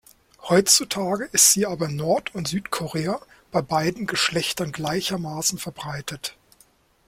Heutzutage ist sie aber in Nord- und Südkorea bei beiden Geschlechtern gleichermaßen verbreitet.